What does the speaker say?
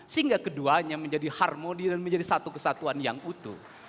sehingga keduanya menjadi harmoni dan menjadi satu kesatuan yang utuh